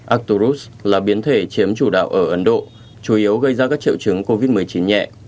actorus là biến thể chiếm chủ đạo ở ấn độ chủ yếu gây ra các triệu chứng covid một mươi chín nhẹ